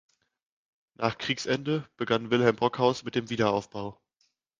Nach Kriegsende begann Wilhelm Brockhaus mit dem Wiederaufbau.